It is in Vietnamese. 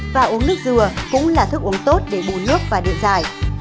và uống nước dừa cũng là thức uống tốt để bù nước và điện giải